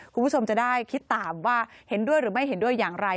คุณผู้ชมจะได้คิดตามว่าเห็นด้วยหรือไม่เห็นด้วยอย่างไร